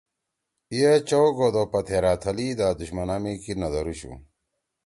ای اے چؤ گھودو پیتھیرا تھلیِدا دشمنا می کی نہ دھرُوشُو۔